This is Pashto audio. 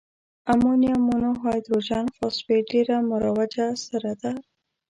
امونیم مونو هایدروجن فاسفیټ ډیره مروجه سره ده.